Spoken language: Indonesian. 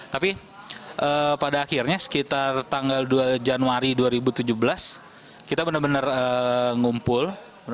tapi pada akhirnya sekitar tanggal dua januari dua ribu tujuh belas kita benar benar ngumpul